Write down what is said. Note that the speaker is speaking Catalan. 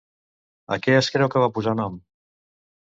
A què es creu que va posar nom?